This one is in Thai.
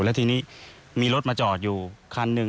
แล้วทีนี้มีรถมาจอดอยู่คันหนึ่ง